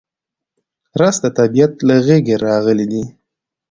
رس د طبیعت له غېږې راغلی دی